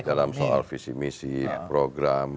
dalam soal visi misi program